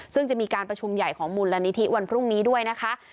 ซึ่งจะมีการประชุมใหญ่ของมูลนิธิวันพรุ่งนี้ด้วยนะคะ